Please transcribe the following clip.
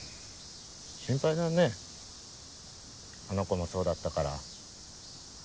心配だねあの子もそうだったから。